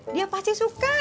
dia pasti suka